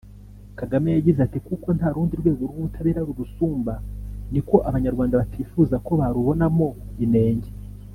Kagame yagize ati “ Kuko nta rundi rwego rw’ubutabera rurusumba niko Abanyarwanda batifuza ko barubonamo inenge